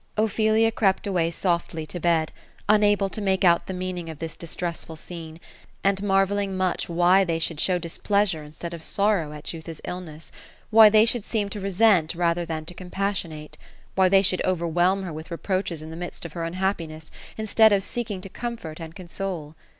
219 Ophelia crept away softly to bed, unable to make out the meaning of this distressful scene ; and marvelling much why they should show displeas'irc instead of sorrow at Jutha's illness; wliy they should seem to resent, rather than to compassionate ; why they should ^overwhelm her with reproaches in the midst of her unhappiness. instead of seeking to comfort and console.